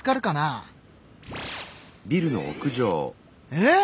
えっ？